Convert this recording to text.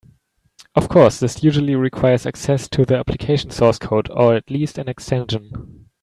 Of course, this usually requires access to the application source code (or at least an extension).